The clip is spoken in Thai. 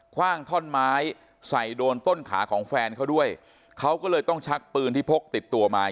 ว่างท่อนไม้ใส่โดนต้นขาของแฟนเขาด้วยเขาก็เลยต้องชักปืนที่พกติดตัวมา